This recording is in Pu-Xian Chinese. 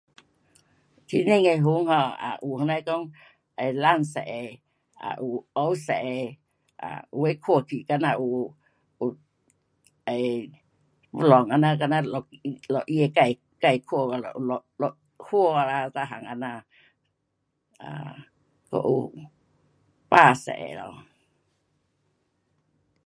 天顶的云 um 还有什么讲有蓝色的，还有黑色的，啊，有的看去好像有，有，呃，风浪这样， [unintelligible] 它会自看有 [unintelligible] 花啦，每样这样。啊，还有白色的咯。